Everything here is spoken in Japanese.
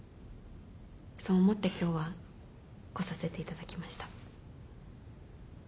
そう思って今日は来させていただきました。